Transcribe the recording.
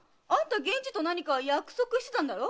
源次と何か約束してたんだろ？